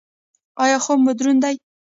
ایا خوب مو دروند دی؟